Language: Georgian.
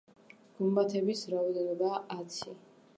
გუმბათების რაოდენობაა ათი.